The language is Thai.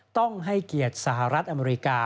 ต้องให้เกียรติสหรัฐอเมริกา